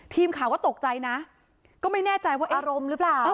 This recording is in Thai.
ทีมข่าวก็ตกใจนะก็ไม่แน่ใจว่าอารมณ์หรือเปล่า